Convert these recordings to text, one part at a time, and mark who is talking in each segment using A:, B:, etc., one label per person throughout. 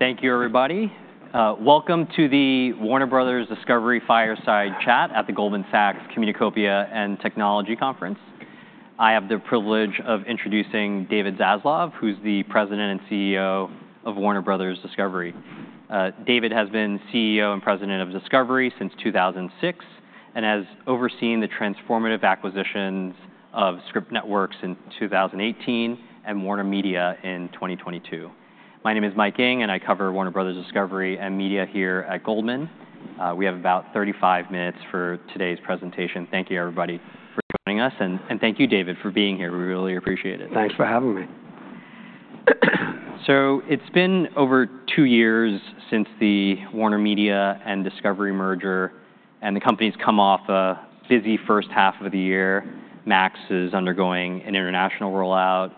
A: Thank you, everybody. Welcome to the Warner Bros. Discovery Fireside Chat at the Goldman Sachs Communacopia and Technology Conference. I have the privilege of introducing David Zaslav, who's the President and CEO of Warner Bros. Discovery. David has been CEO and President of Discovery since 2006 and has overseen the transformative acquisitions of Scripps Networks in 2018 and WarnerMedia in 2022. My name is Mike Ng, and I cover Warner Bros. Discovery and media here at Goldman. We have about 35 minutes for today's presentation. Thank you, everybody, for joining us, and thank you, David, for being here. We really appreciate it.
B: Thanks for having me.
A: So, it's been over two years since the WarnerMedia and Discovery merger, and the company's come off a busy first half of the year. Max is undergoing an international rollout.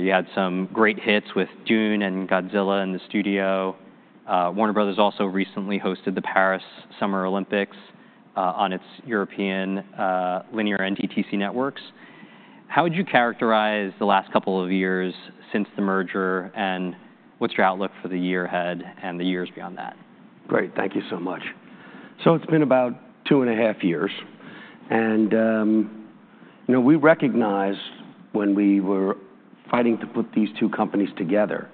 A: You had some great hits with Dune and Godzilla in the studio. Warner Bros. also recently hosted the Paris Summer Olympics on its European linear and DTC networks. How would you characterize the last couple of years since the merger, and what's your outlook for the year ahead and the years beyond that?
B: Great. Thank you so much. So it's been about two and a half years, and, you know, we recognized when we were fighting to put these two companies together,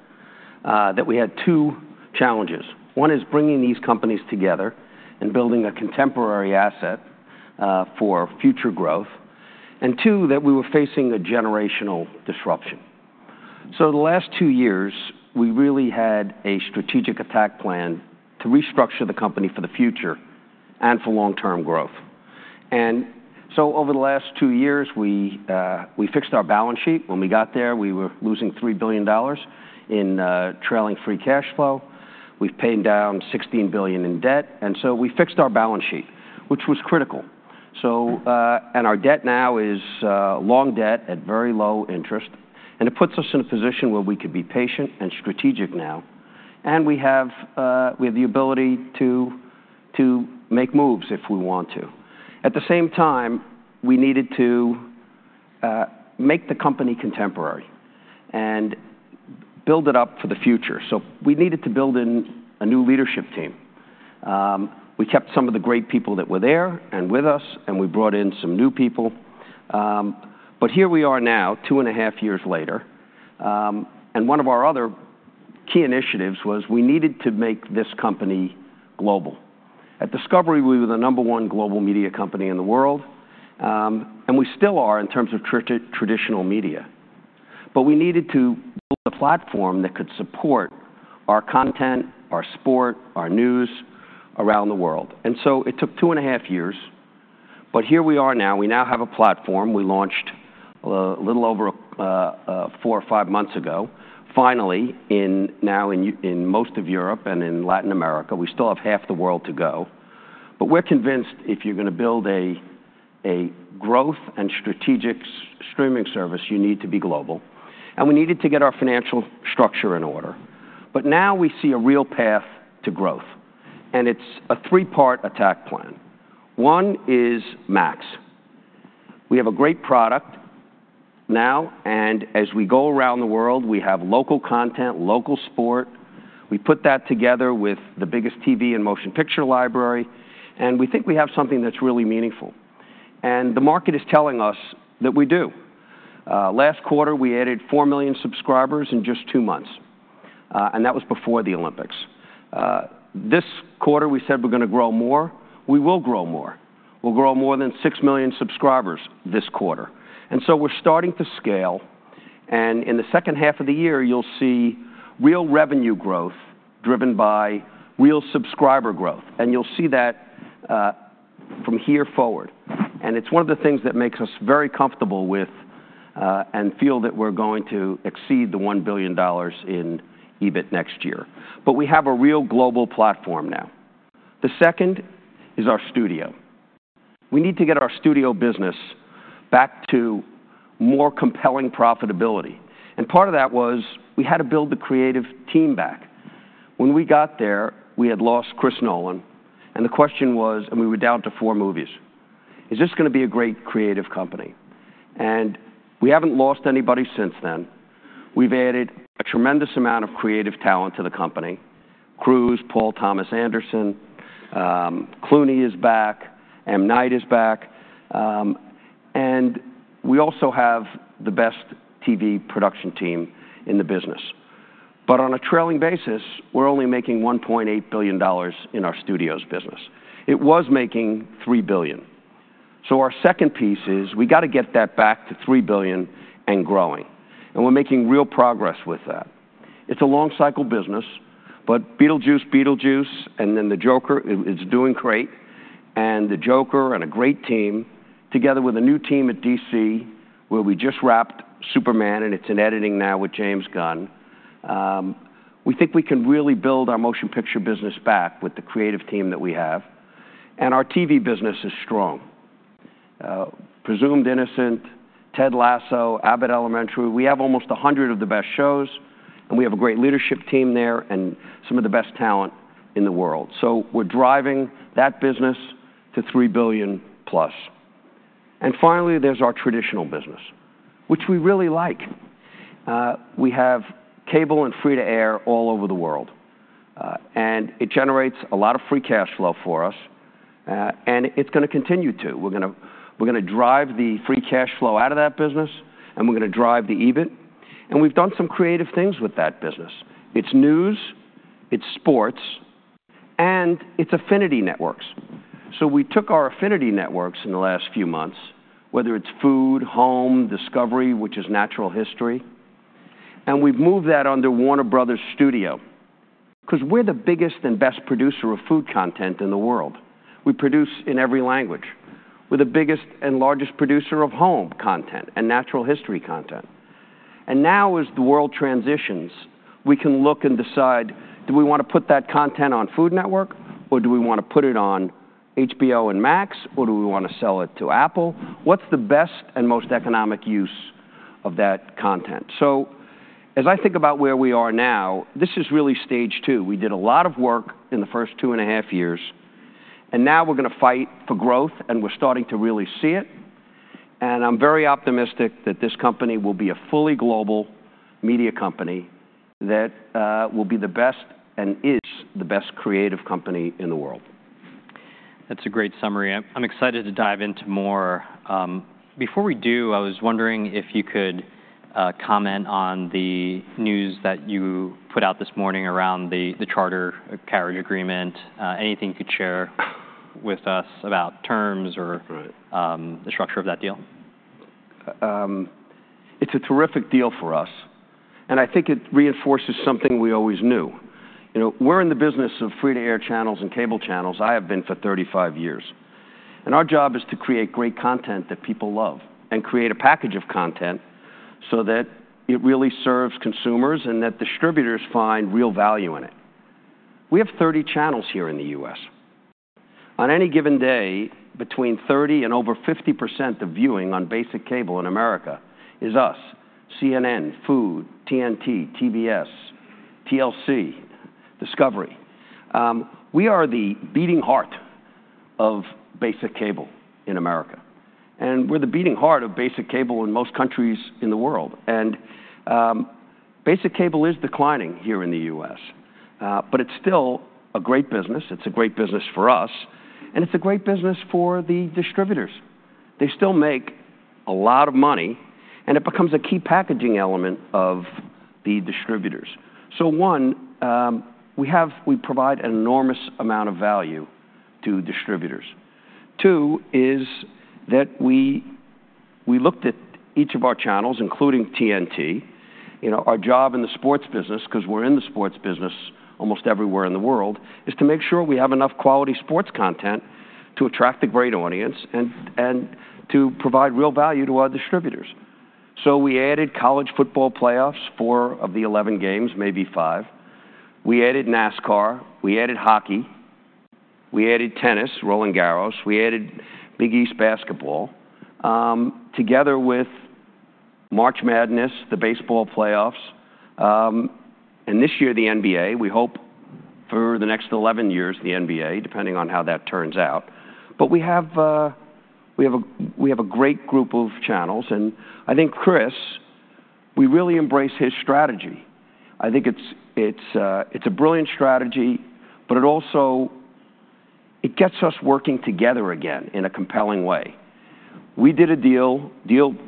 B: that we had two challenges. One is bringing these companies together and building a contemporary asset, for future growth, and two, that we were facing a generational disruption. So the last two years, we really had a strategic attack plan to restructure the company for the future and for long-term growth. And so over the last two years, we, we fixed our balance sheet. When we got there, we were losing $3 billion in trailing free cash flow. We've paid down $16 billion in debt, and so we fixed our balance sheet, which was critical. So, and our debt now is long debt at very low interest, and it puts us in a position where we can be patient and strategic now, and we have the ability to make moves if we want to. At the same time, we needed to make the company contemporary and build it up for the future, so we needed to build in a new leadership team. We kept some of the great people that were there and with us, and we brought in some new people. But here we are now, two and a half years later, and one of our other key initiatives was we needed to make this company global. At Discovery, we were the number one global media company in the world, and we still are in terms of traditional media. But we needed to build a platform that could support our content, our sport, our news around the world. And so it took two and a half years, but here we are now. We now have a platform. We launched a little over four or five months ago, finally, now in most of Europe and in Latin America. We still have half the world to go, but we're convinced if you're gonna build a growth and strategic streaming service, you need to be global, and we needed to get our financial structure in order. But now we see a real path to growth, and it's a three-part attack plan. One is Max. We have a great product now, and as we go around the world, we have local content, local sport. We put that together with the biggest TV and motion picture library, and we think we have something that's really meaningful, and the market is telling us that we do. Last quarter, we added four million subscribers in just two months, and that was before the Olympics. This quarter, we said we're gonna grow more. We will grow more. We'll grow more than six million subscribers this quarter. And so we're starting to scale, and in the second half of the year, you'll see real revenue growth driven by real subscriber growth, and you'll see that from here forward. And it's one of the things that makes us very comfortable with, and feel that we're going to exceed $1 billion in EBIT next year. But we have a real global platform now. The second is our studio. We need to get our studio business back to more compelling profitability, and part of that was we had to build the creative team back. When we got there, we had lost Chris Nolan, and the question was, and we were down to 4 movies: Is this gonna be a great creative company? And we haven't lost anybody since then. We've added a tremendous amount of creative talent to the company. Cruise, Paul Thomas Anderson, Clooney is back, M. Night is back, and we also have the best TV production team in the business. But on a trailing basis, we're only making $1.8 billion in our studios business. It was making $3 billion. So our second piece is we gotta get that back to $3 billion and growing, and we're making real progress with that. It's a long-cycle business, but Beetlejuice Beetlejuice, and then the Joker is doing great, and the Joker and a great team, together with a new team at DC, where we just wrapped Superman, and it's in editing now with James Gunn. We think we can really build our motion picture business back with the creative team that we have, and our TV business is strong. Presumed Innocent, Ted Lasso, Abbott Elementary, we have almost 100 of the best shows, and we have a great leadership team there and some of the best talent in the world. So we're driving that business to $3 billion-plus. Finally, there's our traditional business, which we really like. We have cable and free-to-air all over the world, and it generates a lot of free cash flow for us, and it's going to continue to. We're gonna, we're gonna drive the free cash flow out of that business, and we're gonna drive the EBIT, and we've done some creative things with that business. It's news, its sports, and it's affinity networks. So, we took our affinity networks in the last few months, whether it's Food, Home, Discovery, which is natural history, and we've moved that under Warner Bros. Studio, because we're the biggest and best producer of food content in the world. We produce in every language. We're the biggest and largest producer of home content and natural history content. And now, as the world transitions, we can look and decide, do we want to put that content on Food Network, or do we want to put it on HBO and Max? Or do we want to sell it to Apple? What's the best and most economic use of that content? So as I think about where we are now, this is really stage two. We did a lot of work in the first two and a half years, and now we're going to fight for growth, and we're starting to really see it. And I'm very optimistic that this company will be a fully global media company that will be the best and is the best creative company in the world.
A: That's a great summary. I'm excited to dive into more. Before we do, I was wondering if you could comment on the news that you put out this morning around the Charter carriage agreement. Anything you could share with us about terms or-
B: Right...
A: the structure of that deal?
B: It's a terrific deal for us, and I think it reinforces something we always knew. You know, we're in the business of free-to-air channels and cable channels. I have been for 35 years, and our job is to create great content that people love and create a package of content so that it really serves consumers and that distributors find real value in it. We have 30 channels here in the U.S. On any given day, between 30% and over 50% of viewing on basic cable in America is us, CNN, Food, TNT, TBS, TLC, Discovery. We are the beating heart of basic cable in America, and we're the beating heart of basic cable in most countries in the world. Basic cable is declining here in the U.S., but it's still a great business. It's a great business for us, and it's a great business for the distributors. They still make a lot of money, and it becomes a key packaging element of the distributors. So one, we provide an enormous amount of value to distributors. Two, is that we looked at each of our channels, including TNT. You know, our job in the sports business, because we're in the sports business almost everywhere in the world, is to make sure we have enough quality sports content to attract a great audience and to provide real value to our distributors. So we added College Football Playoff, four of the eleven games, maybe five. We added NASCAR, we added hockey, we added tennis, Roland-Garros, we added Big East basketball, together with March Madness, the baseball playoffs, and this year, the NBA. We hope for the next 11 years, the NBA, depending on how that turns out. But we have a great group of channels, and I think Chris, we really embrace his strategy. I think it's a brilliant strategy, but it also gets us working together again in a compelling way. We did a deal.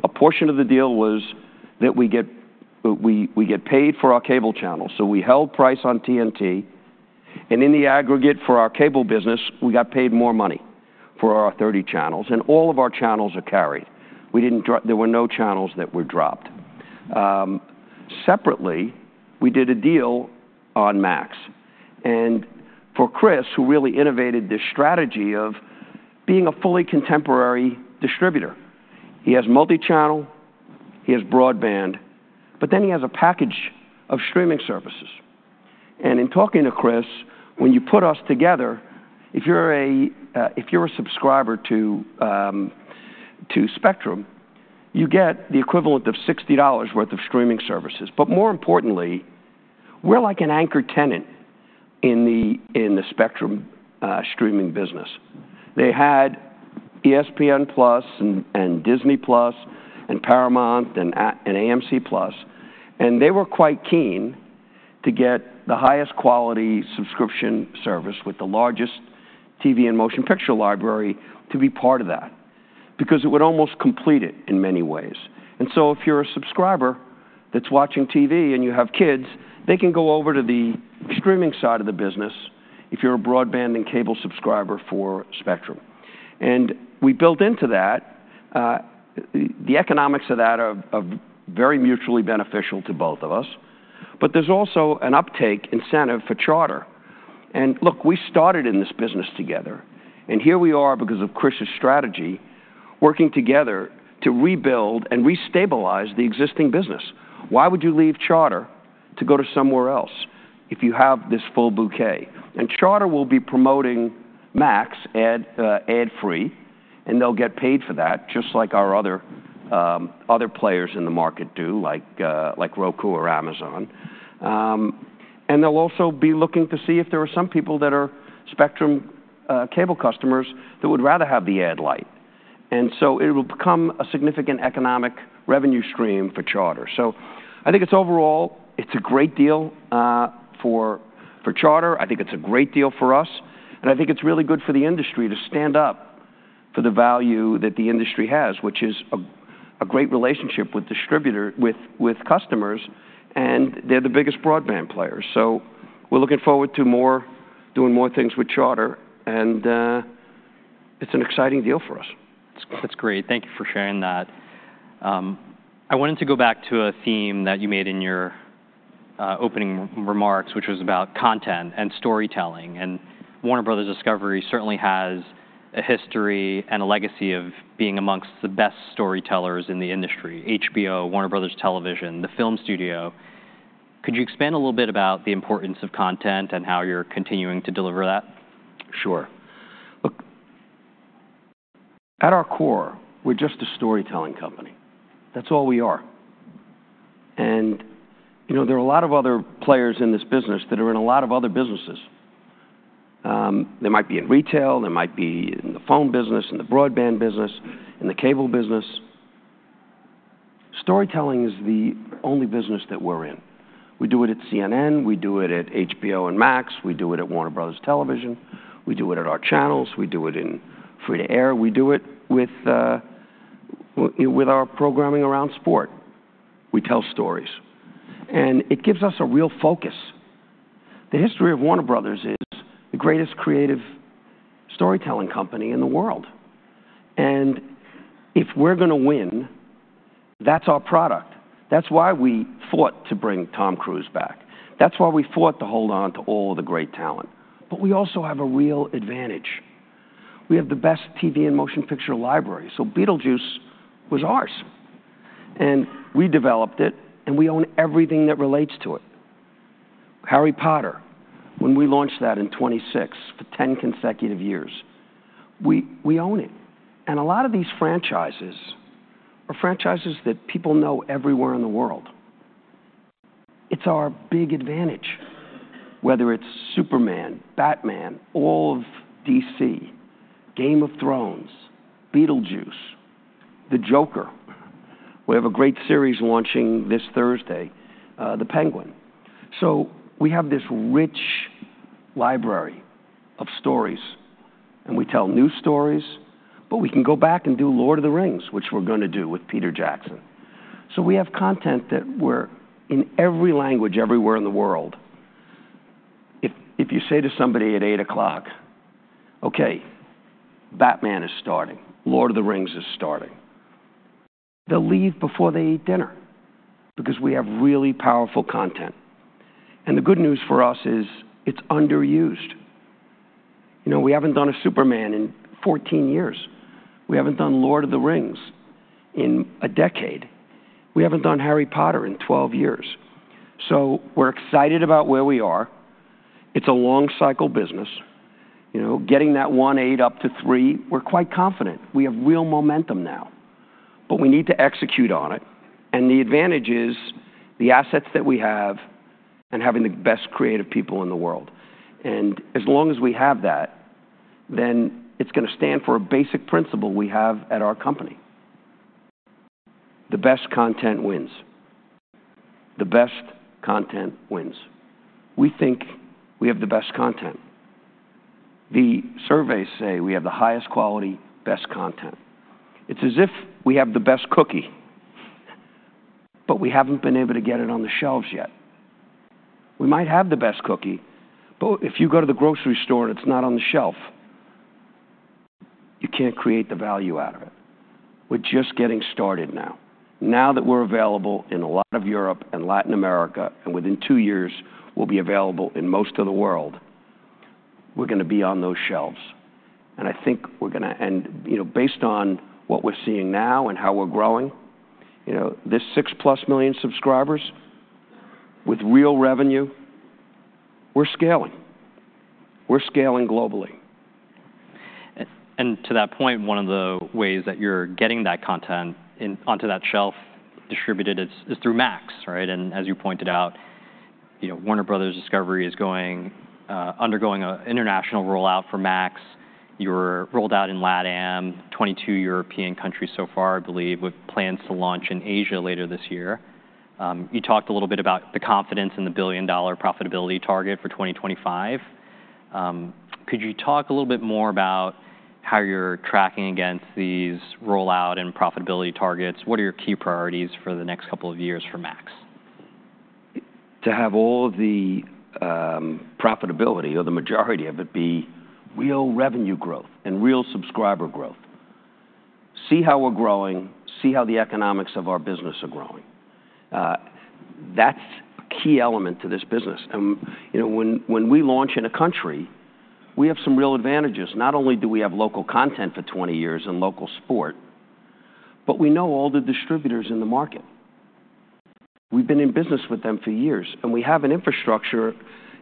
B: A portion of the deal was that we get paid for our cable channels, so we held price on TNT, and in the aggregate for our cable business, we got paid more money for our 30 channels, and all of our channels are carried. We didn't drop. There were no channels that were dropped. Separately, we did a deal on Max, and for Chris, who really innovated this strategy of being a fully contemporary distributor. He has multi-channel, he has broadband, but then he has a package of streaming services. And in talking to Chris, when you put us together, if you're a subscriber to Spectrum, you get the equivalent of $60 worth of streaming services. But more importantly, we're like an anchor tenant in the Spectrum streaming business. They had ESPN+ and Disney+ and Paramount+ and AMC+, and they were quite keen to get the highest quality subscription service with the largest TV and motion picture library to be part of that, because it would almost complete it in many ways. And so if you're a subscriber that's watching TV and you have kids, they can go over to the streaming side of the business if you're a broadband and cable subscriber for Spectrum. And we built into that... The economics of that are very mutually beneficial to both of us, but there's also an uptake incentive for Charter. Look, we started in this business together, and here we are, because of Chris's strategy, working together to rebuild and restabilize the existing business. Why would you leave Charter to go to somewhere else if you have this full bouquet? Charter will be promoting Max ad-free, and they'll get paid for that, just like our other players in the market do, like Roku or Amazon. They'll also be looking to see if there are some people that are Spectrum cable customers that would rather have the Ad-Lite. So it will become a significant economic revenue stream for Charter. I think it's overall a great deal for Charter. I think it's a great deal for us, and I think it's really good for the industry to stand up for the value that the industry has, which is a great relationship with distributors with customers, and they're the biggest broadband players. So we're looking forward to doing more things with Charter, and it's an exciting deal for us.
A: That's great. Thank you for sharing that. I wanted to go back to a theme that you made in your opening remarks, which was about content and storytelling, and Warner Bros. Discovery certainly has a history and a legacy of being among the best storytellers in the industry: HBO, Warner Bros. Television, the film studio. Could you expand a little bit about the importance of content and how you're continuing to deliver that? Sure. Look, at our core, we're just a storytelling company. That's all we are. And, you know, there are a lot of other players in this business that are in a lot of other businesses. They might be in retail, they might be in the phone business, in the broadband business, in the cable business. Storytelling is the only business that we're in. We do it at CNN, we do it at HBO and Max, we do it at Warner Bros. Television, we do it at our channels, we do it in free-to-air, we do it with our programming around sport. We tell stories, and it gives us a real focus. The history of Warner Bros. is the greatest creative storytelling company in the world, and if we're going to win, that's our product. That's why we fought to bring Tom Cruise back. That's why we fought to hold on to all the great talent. But we also have a real advantage. We have the best TV and motion picture library. So Beetlejuice was ours, and we developed it, and we own everything that relates to it. Harry Potter, when we launch that in 2026 for ten consecutive years, we own it. And a lot of these franchises are franchises that people know everywhere in the world. It's our big advantage, whether it's Superman, Batman, all of DC, Game of Thrones, Beetlejuice, The Joker. We have a great series launching this Thursday, The Penguin. So we have this rich library of stories, and we tell new stories, but we can go back and do Lord of the Rings, which we're going to do with Peter Jackson. So we have content that we're in every language, everywhere in the world. If you say to somebody at eight o'clock, "Okay, Batman is starting. Lord of the Rings is starting," they'll leave before they eat dinner because we have really powerful content. And the good news for us is it's underused. You know, we haven't done a Superman in fourteen years. We haven't done Lord of the Rings in a decade. We haven't done Harry Potter in twelve years. So we're excited about where we are. It's a long cycle business. You know, getting that one eight up to three, we're quite confident. We have real momentum now, but we need to execute on it, and the advantage is the assets that we have and having the best creative people in the world. And as long as we have that, then it's going to stand for a basic principle we have at our company: The best content wins. The best content wins. We think we have the best content. The surveys say we have the highest quality, best content. It's as if we have the best cookie, but we haven't been able to get it on the shelves yet. We might have the best cookie, but if you go to the grocery store and it's not on the shelf, you can't create the value out of it. We're just getting started now. Now that we're available in a lot of Europe and Latin America, and within two years, we'll be available in most of the world, we're going to be on those shelves. And I think we're going to... And, you know, based on what we're seeing now and how we're growing, you know, this six-plus million subscribers with real revenue, we're scaling. We're scaling globally. And to that point, one of the ways that you're getting that content onto that shelf distributed is through Max, right? And as you pointed out, you know, Warner Bros. Discovery is undergoing an international rollout for Max. You're rolled out in LATAM, 22 European countries so far, I believe, with plans to launch in Asia later this year. You talked a little bit about the confidence and the billion-dollar profitability target for 2025. Could you talk a little bit more about how you're tracking against these rollout and profitability targets? What are your key priorities for the next couple of years for Max?
B: To have all the profitability or the majority of it be real revenue growth and real subscriber growth. See how we're growing, see how the economics of our business are growing. That's a key element to this business. And, you know, when we launch in a country, we have some real advantages. Not only do we have local content for twenty years and local sport, but we know all the distributors in the market. We've been in business with them for years, and we have an infrastructure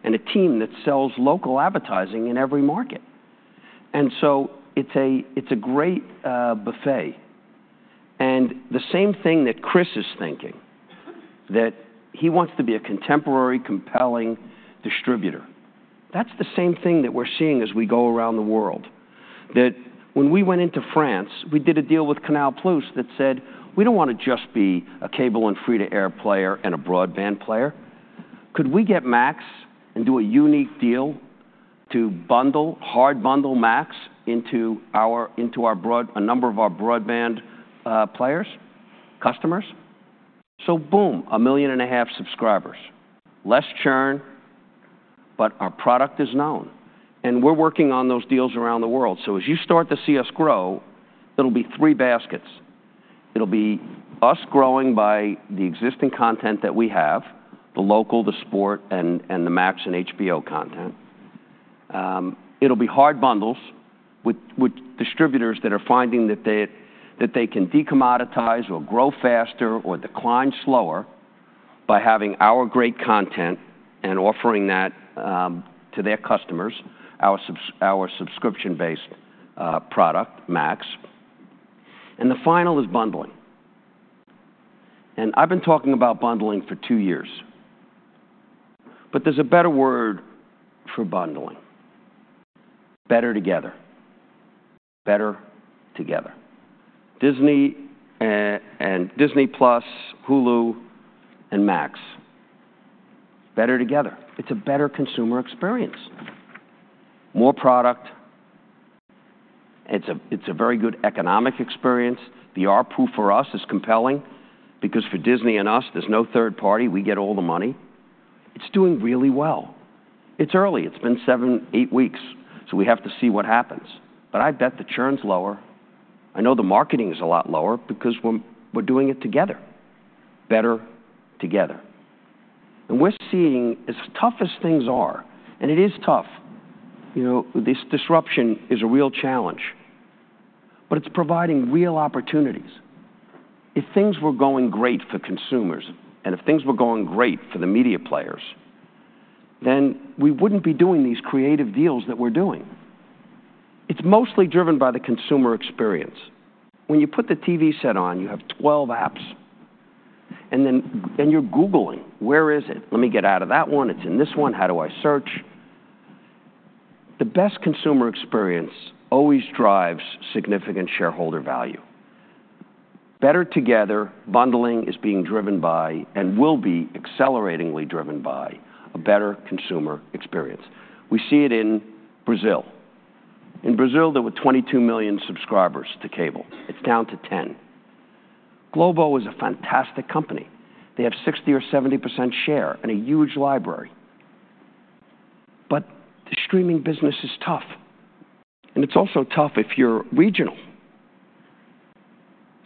B: and a team that sells local advertising in every market. And so, it's a great buffet. And the same thing that Chris is thinking that he wants to be a contemporary, compelling distributor. That's the same thing that we're seeing as we go around the world, that when we went into France, we did a deal with Canal+ that said, "We don't want to just be a cable and free-to-air player and a broadband player. Could we get Max and do a unique deal to bundle, hard bundle Max into our broadband, a number of our broadband players, customers?" So, boom, 1.5 million subscribers. Less churn, but our product is known, and we're working on those deals around the world. So, as you start to see us grow, it'll be three baskets. It'll be us growing by the existing content that we have, the local, the sport, and the Max and HBO content. It'll be hard bundles with distributors that are finding that they can de-commoditize or grow faster or decline slower by having our great content and offering that to their customers, our subscription-based product, Max. And the final is bundling. I've been talking about bundling for two years, but there's a better word for bundling: better together. Better together. Disney and Disney+, Hulu, and Max, better together. It's a better consumer experience, more product. It's a very good economic experience. The ARPU for us is compelling because for Disney and us, there's no third party. We get all the money. It's doing really well. It's early. It's been seven, eight weeks, so we have to see what happens. But I bet the churn's lower. I know the marketing is a lot lower because we're, we're doing it together, better together, and we're seeing, as tough as things are, and it is tough, you know, this disruption is a real challenge, but it's providing real opportunities. If things were going great for consumers, and if things were going great for the media players, then we wouldn't be doing these creative deals that we're doing. It's mostly driven by the consumer experience. When you put the TV set on, you have 12 apps, and then, then you're Googling. Where is it? Let me get out of that one. It's in this one. How do I search? The best consumer experience always drives significant shareholder value. Better together bundling is being driven by and will be acceleratingly driven by a better consumer experience. We see it in Brazil. In Brazil, there were 22 million subscribers to cable. It's down to 10. Globo is a fantastic company. They have 60 or 70% share and a huge library, but the streaming business is tough, and it's also tough if you're regional.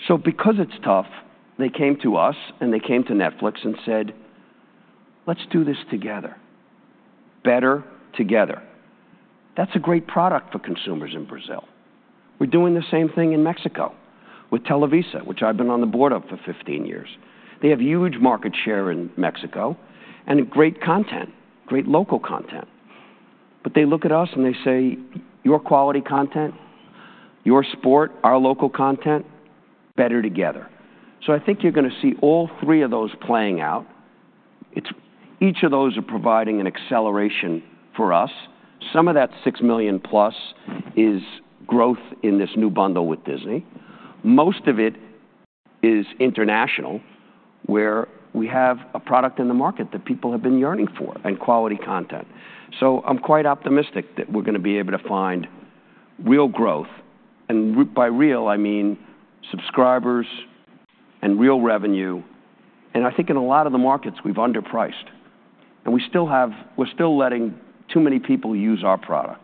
B: So, because it's tough, they came to us, and they came to Netflix and said, "Let's do this together, better together." That's a great product for consumers in Brazil. We're doing the same thing in Mexico with Televisa, which I've been on the board of for 15 years. They have huge market share in Mexico and great content, great local content. But they look at us, and they say, "Your quality content, your sport, our local content, better together." So, I think you're going to see all three of those playing out. It's. Each of those are providing an acceleration for us. Some of that 6 million-plus is growth in this new bundle with Disney. Most of it is international, where we have a product in the market that people have been yearning for and quality content. So I'm quite optimistic that we're going to be able to find real growth, and by real, I mean subscribers and real revenue, and I think in a lot of the markets, we've underpriced, and we're still letting too many people use our product.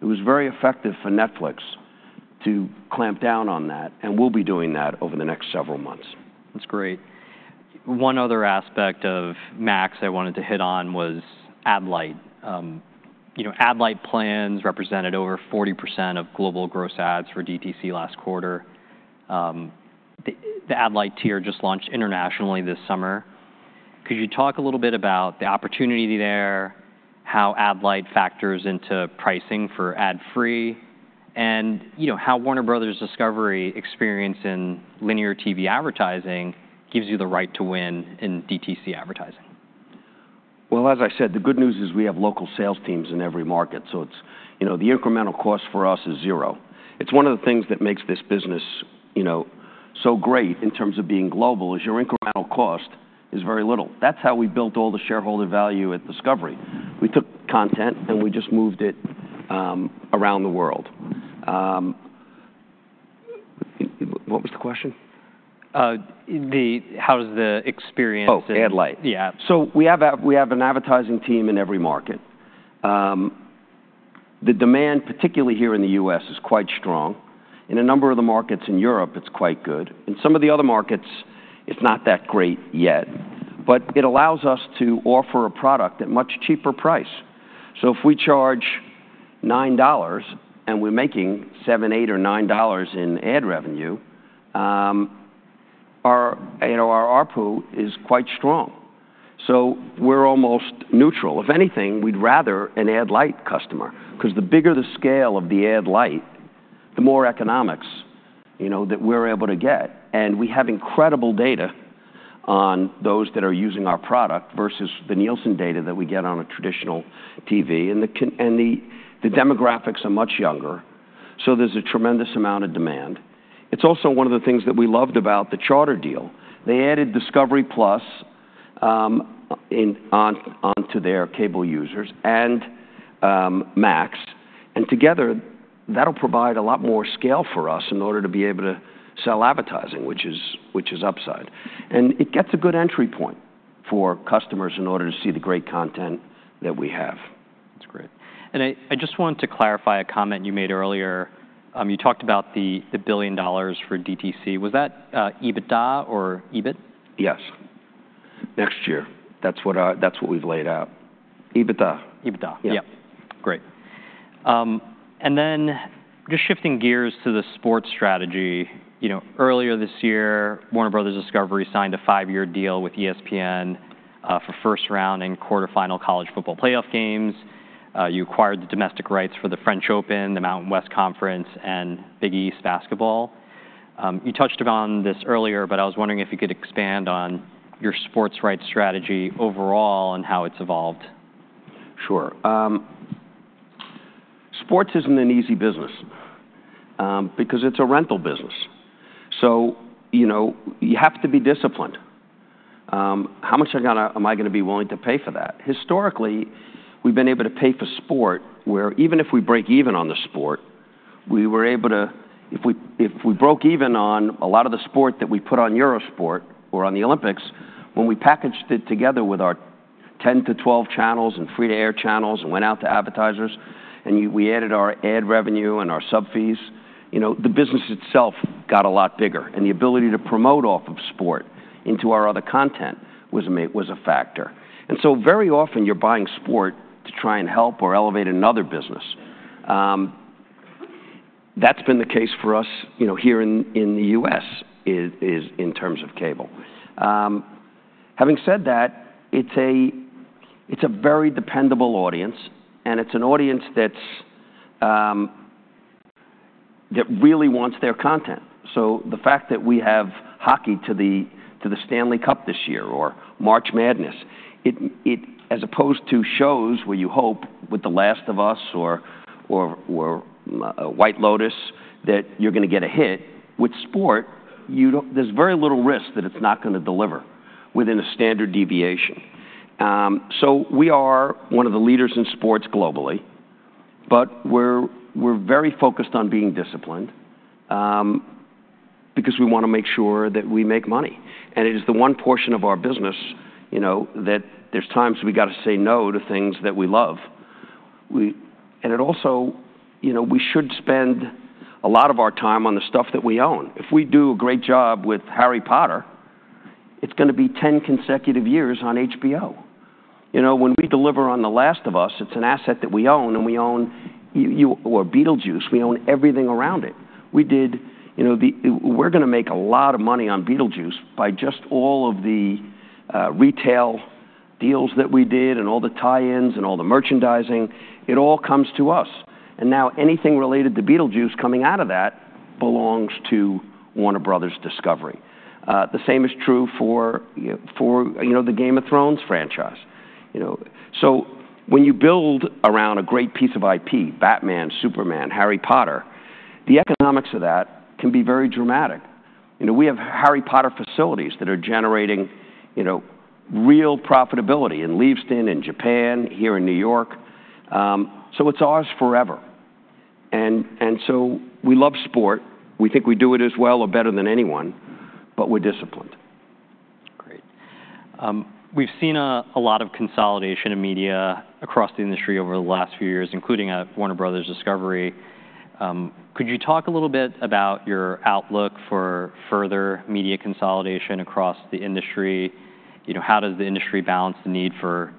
B: It was very effective for Netflix to clamp down on that, and we'll be doing that over the next several months.
A: That's great. One other aspect of Max I wanted to hit on was Ad-Lite. You know, Ad-Lite plans represented over 40% of global gross ads for DTC last quarter. The Ad-Lite tier just launched internationally this summer. Could you talk a little bit about the opportunity there, how Ad-Lite factors into pricing for ad free, and, you know, how Warner Bros. Discovery experience in linear TV advertising gives you the right to win in DTC advertising?
B: As I said, the good news is we have local sales teams in every market, so it's, you know, the incremental cost for us is zero. It's one of the things that makes this business, you know, so great in terms of being global, is your incremental cost is very little. That's how we built all the shareholder value at Discovery. We took content, and we just moved it around the world. What was the question?
A: How is the experience-
B: Oh, Ad-Lite.
A: Yeah.
B: So, we have an advertising team in every market. The demand, particularly here in the U.S., is quite strong. In a number of the markets in Europe, it's quite good. In some of the other markets, it's not that great yet, but it allows us to offer a product at much cheaper price. So, if we charge $9, and we're making $7, $8, or $9 in ad revenue. You know, our ARPU is quite strong, so we're almost neutral. If anything, we'd rather an ad light customer, 'cause the bigger the scale of the ad light, the more economics, you know, that we're able to get. We have incredible data on those that are using our product versus the Nielsen data that we get on a traditional TV, and the demographics are much younger, so there's a tremendous amount of demand. It's also one of the things that we loved about the Charter deal. They added Discovery+ onto their cable users and Max, and together, that'll provide a lot more scale for us in order to be able to sell advertising, which is upside. It gets a good entry point for customers in order to see the great content that we have.
A: That's great. And I just wanted to clarify a comment you made earlier. You talked about the billion dollars for DTC. Was that EBITDA or EBIT?
B: Yes. Next year. That's what we've laid out. EBITDA.
A: EBITDA.
B: Yeah.
A: Yep. Great, and then just shifting gears to the sports strategy, you know, earlier this year, Warner Bros. Discovery signed a five-year deal with ESPN for first round and quarterfinal College Football Playoff games. You acquired the domestic rights for the French Open, the Mountain West Conference, and Big East Basketball. You touched upon this earlier, but I was wondering if you could expand on your sports rights strategy overall and how it's evolved?
B: Sure. Sports isn't an easy business, because it's a rental business, so, you know, you have to be disciplined. How much am I gonna be willing to pay for that? Historically, we've been able to pay for sport, where even if we break even on the sport, we were able to... If we, if we broke even on a lot of the sport that we put on Eurosport or on the Olympics, when we packaged it together with our ten to twelve channels and free-to-air channels and went out to advertisers, and we added our ad revenue and our sub fees, you know, the business itself got a lot bigger, and the ability to promote off of sport into our other content was a factor. And so very often you're buying sport to try and help or elevate another business. That's been the case for us, you know, here in the U.S. It is in terms of cable. Having said that, it's a very dependable audience, and it's an audience that really wants their content. So, the fact that we have hockey to the Stanley Cup this year or March Madness as opposed to shows where you hope with The Last of Us or White Lotus that you're gonna get a hit, with sport, you don't. There's very little risk that it's not gonna deliver within a standard deviation. So, we are one of the leaders in sports globally, but we're very focused on being disciplined because we wanna make sure that we make money. And it is the one portion of our business, you know, that there's times we've got to say no to things that we love. And it also. You know, we should spend a lot of our time on the stuff that we own. If we do a great job with Harry Potter, it's gonna be ten consecutive years on HBO. You know, when we deliver on The Last of Us, it's an asset that we own, and we own or Beetlejuice, we own everything around it. We did, you know. We're gonna make a lot of money on Beetlejuice by just all of the retail deals that we did and all the tie-ins and all the merchandising. It all comes to us, and now anything related to Beetlejuice coming out of that belongs to Warner Bros. Discovery. The same is true for, for, you know, the Game of Thrones franchise, you know. So, when you build around a great piece of IP, Batman, Superman, Harry Potter, the economics of that can be very dramatic. You know, we have Harry Potter facilities that are generating, you know, real profitability in Leavesden, in Japan, here in New York. So, it's ours forever. And so, we love sports. We think we do it as well or better than anyone, but we're disciplined.
A: Great. We've seen a lot of consolidation in media across the industry over the last few years, including at Warner Bros. Discovery. Could you talk a little bit about your outlook for further media consolidation across the industry? You know, how does the industry balance the need for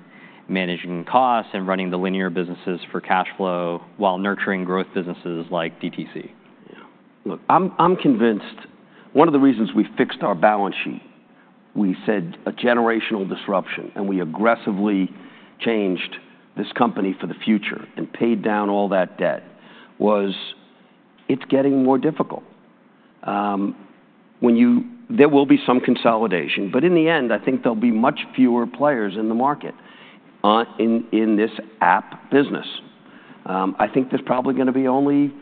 A: managing costs and running the linear businesses for cash flow while nurturing growth businesses like DTC?
B: Yeah. Look, I'm convinced one of the reasons we fixed our balance sheet, we said a generational disruption, and we aggressively changed this company for the future and paid down all that debt, was it's getting more difficult. There will be some consolidation, but in the end, I think there'll be much fewer players in the market, in this ad business. I think there's probably gonna be only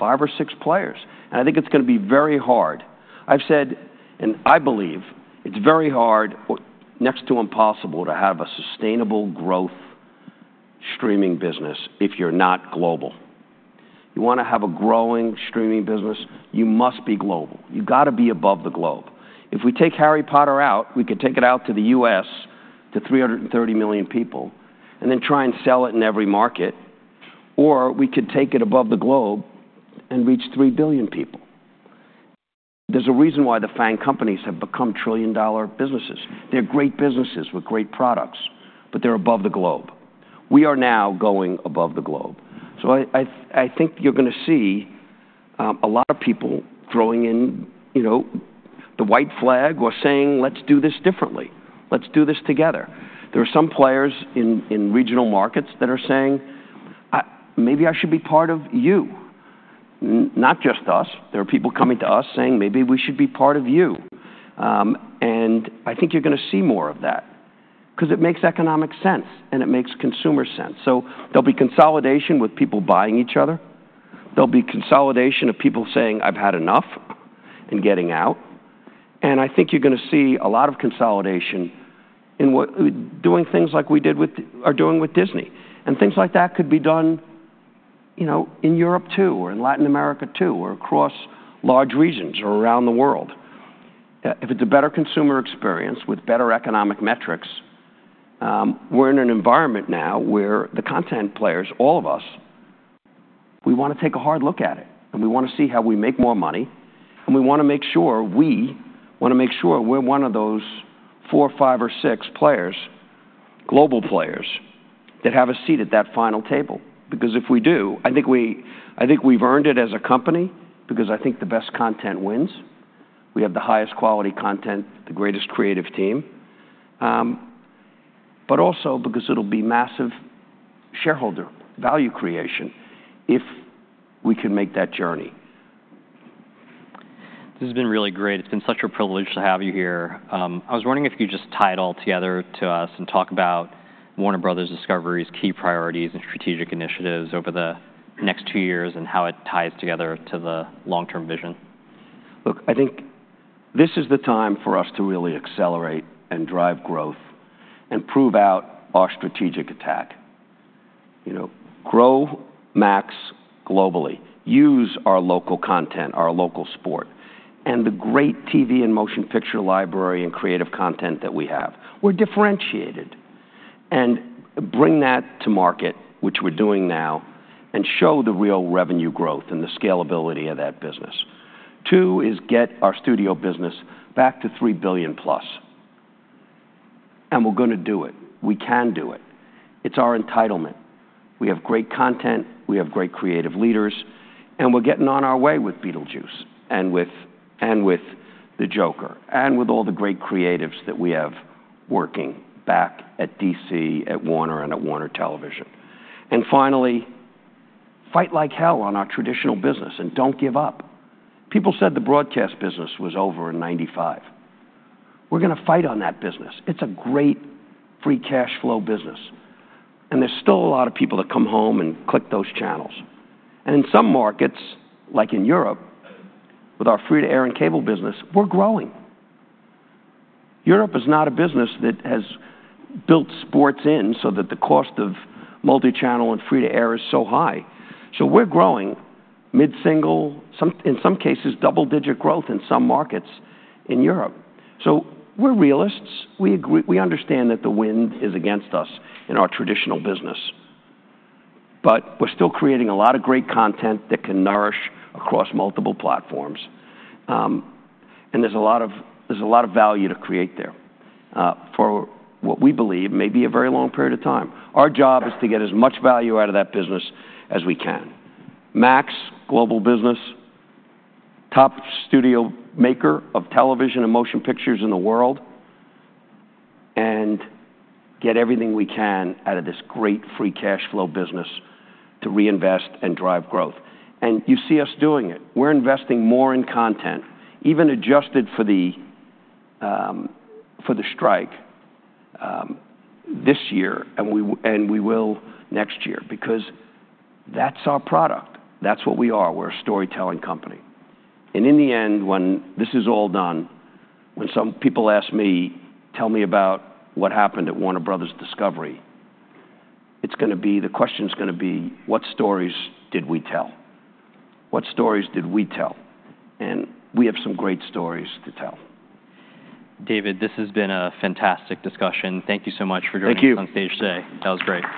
B: five or six players, and I think it's gonna be very hard. I've said, and I believe it's very hard or next to impossible to have a sustainable growth streaming business if you're not global. You wanna have a growing streaming business, you must be global. You've got to be all over the globe. If we take Harry Potter out, we could take it out to the U.S., to 330 million people, and then try and sell it in every market, or we could take it above the globe and reach 3 billion people. There's a reason why the FANG companies have become trillion-dollar businesses. They're great businesses with great products, but they're above the globe. We are now going above the globe. So I think you're gonna see a lot of people throwing in, you know, the white flag or saying, "Let's do this differently. Let's do this together." There are some players in regional markets that are saying, "Maybe I should be part of you, not just us." There are people coming to us saying, "Maybe we should be part of you." And I think you're gonna see more of that, 'cause it makes economic sense, and it makes consumer sense. So, there'll be consolidation with people buying each other. There'll be consolidation of people saying, "I've had enough," and getting out. And I think you're gonna see a lot of consolidation in doing things like we are doing with Disney. And things like that could be done, you know, in Europe, too, or in Latin America, too, or across large regions or around the world. If it's a better consumer experience with better economic metrics, we're in an environment now where the content players, all of us, we wanna take a hard look at it, and we wanna see how we make more money, and we wanna make sure we're one of those four, five, or six players, global players, that have a seat at that final table. Because if we do, I think we've earned it as a company, because I think the best content wins. We have the highest quality content, the greatest creative team. But also, because it'll be massive shareholder value creation if we can make that journey.
A: This has been really great. It's been such a privilege to have you here. I was wondering if you'd just tie it all together to us and talk about Warner Bros. Discovery's key priorities and strategic initiatives over the next two years and how it ties together to the long-term vision?
B: Look, I think this is the time for us to really accelerate and drive growth and prove out our strategic attack. You know, grow Max globally, use our local content, our local sport, and the great TV and motion picture library and creative content that we have. We're differentiated. And bring that to market, which we're doing now, and show the real revenue growth and the scalability of that business. Two is get our studio business back to three billion plus, and we're gonna do it. We can do it. It's our entitlement. We have great content, we have great creative leaders, and we're getting on our way with Beetlejuice and with the Joker, and with all the great creatives that we have working back at DC, at Warner, and at Warner Television. And finally, fight like hell on our traditional business and don't give up. People said the broadcast business was over in 1995. We're gonna fight on that business. It's a great free cash flow business, and there's still a lot of people that come home and click those channels, and in some markets, like in Europe, with our free-to-air and cable business, we're growing. Europe is not a business that has built sports in so that the cost of multi-channel and free-to-air is so high, so we're growing mid-single, in some cases, double-digit growth in some markets in Europe, so we're realists. We agree. We understand that the wind is against us in our traditional business, but we're still creating a lot of great content that can nourish across multiple platforms, and there's a lot of value to create there, for what we believe may be a very long period of time. Our job is to get as much value out of that business as we can. Max, global business, top studio maker of television and motion pictures in the world and get everything we can out of this great free cash flow business to reinvest and drive growth. You see us doing it. We're investing more in content, even adjusted for the strike, this year, and we will next year, because that's our product. That's what we are. We're a storytelling company. In the end, when this is all done, when some people ask me, "Tell me about what happened at Warner Bros. Discovery," it's gonna be... the question's gonna be: What stories did we tell? What stories did we tell? We have some great stories to tell.
A: David, this has been a fantastic discussion. Thank you so much for joining-
B: Thank you...
A: us on stage today. That was great.